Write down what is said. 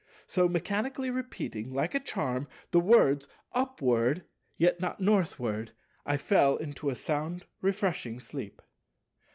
So mechanically repeating, like a charm, the words, "Upward, yet not Northward," I fell into a sound refreshing sleep.